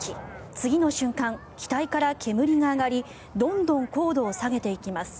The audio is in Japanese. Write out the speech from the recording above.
次の瞬間、機体から煙が上がりどんどん高度を下げていきます。